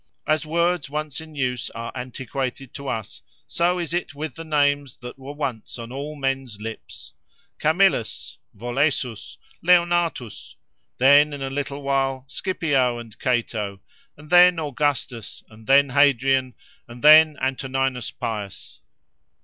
"As words once in use are antiquated to us, so is it with the names that were once on all men's lips: Camillus, Volesus, Leonnatus: then, in a little while, Scipio and Cato, and then Augustus, and then Hadrian, and then Antoninus Pius.